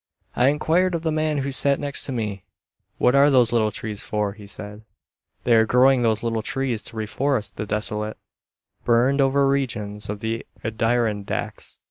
I inquired of the man who sat next me, "What are those little trees for?" He said, "They are growing those little trees to reforest the desolate, burned over regions of the Adirondacks."